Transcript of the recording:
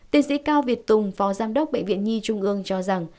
tiến sĩ cao việt tùng phó giám đốc bệnh viện nhi trung ương cho rằng